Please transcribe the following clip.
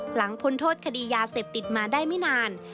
พ้นโทษคดียาเสพติดมาได้ไม่นาน